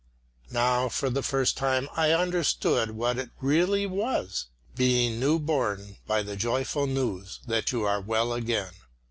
Now for the first time I understand what it really was, being new born by the joyful news that you are well again.